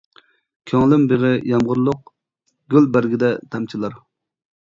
كۆڭلۈم بېغى يامغۇرلۇق، گۈل بەرگىدە تامچىلار.